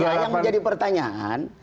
yang menjadi pertanyaan